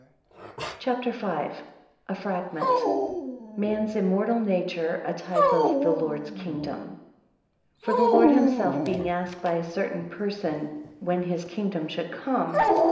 CHAPTER V. A FRAGMENT. Man's immortal nature a type of the Lord's kingdom. 1 For the Lord himself, being asked by a certain person, When his kingdom should come?